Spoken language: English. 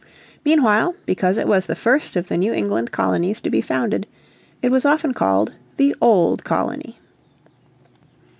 Meanwhile, because it was the first of the New England colonies to be founded, it was often called the Old Colony.